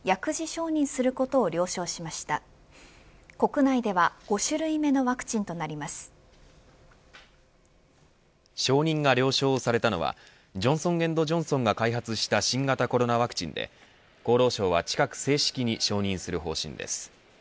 承認が了承されたのはジョンソン・エンド・ジョンソンが開発した新型コロナワクチンで厚労省は近く正式に承認する方針です。